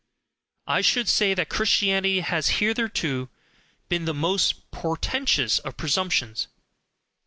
I should say that Christianity has hitherto been the most portentous of presumptions.